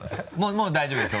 もう大丈夫ですよ